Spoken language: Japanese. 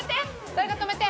誰か止めて。